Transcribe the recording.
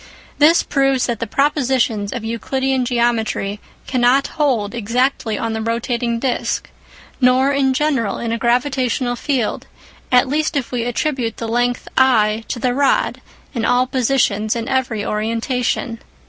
This proves that the propositions of Euclidean geometry cannot hold exactly on the rotating disc, nor in general in a gravitational field, at least if we attribute the length I to the rod in all positions and in every orientation.